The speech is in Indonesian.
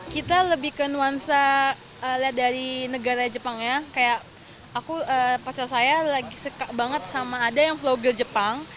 kita lebih ke nuansa lihat dari negara jepang ya kayak pacar saya lagi suka banget sama ada yang vlogge jepang